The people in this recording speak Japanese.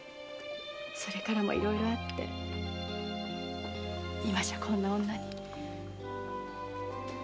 それからもいろいろあって今じゃこんな女に。